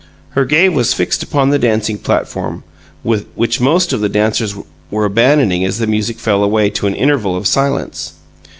Her gaze was fixed upon the dancing platform, which most of the dancers were abandoning as the music fell away to an interval of silence.